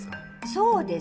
そうです。